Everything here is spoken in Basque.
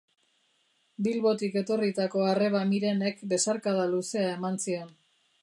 Bilbotik etorritako arreba Mirenek besarkada luzea eman zion.